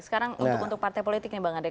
sekarang untuk partai politik nih bang ericko